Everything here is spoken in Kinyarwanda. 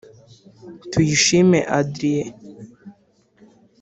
Tuyishime Adrien